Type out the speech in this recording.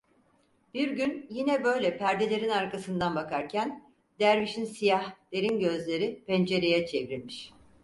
Bir gün yine böyle perdelerin arkasından bakarken, dervişin siyah, derin gözleri pencereye çevrilmiş.